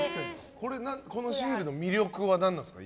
このシールの魅力は何なんですか？